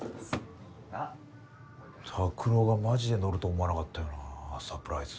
拓郎がマジでのるとは思わなかったよなぁサプライズ。